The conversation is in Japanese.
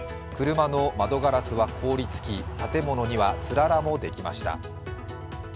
車の窓ガラスは凍りつき建物にはつららもできました。